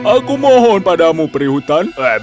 aku mohon padamu perihutan